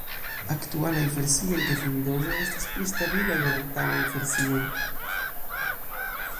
Aktualaj versioj de Vindozo estas pli stabilaj ol antaŭaj versioj.